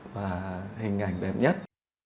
và hình ảnh đẹp nhất